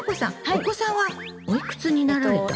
お子さんはおいくつになられたの？